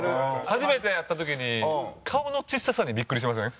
初めて会った時に顔の小ささにビックリしません？